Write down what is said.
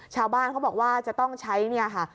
ชาวบ้านเขาบอกว่าจะต้องใช้เนี่ยค่ะ